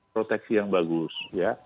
proteksi yang bagus ya